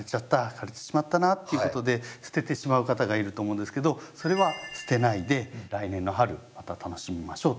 枯れてしまったな」っていうことで捨ててしまう方がいると思うんですけどそれは捨てないで来年の春また楽しみましょうということですね。